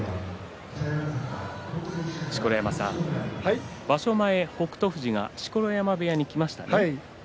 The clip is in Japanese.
錣山さん、場所前北勝富士が錣山部屋に行きましたね。